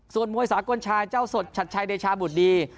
ส่วนมวยสากลชายเจ้าสดชัดชัยเดชาบุตรดี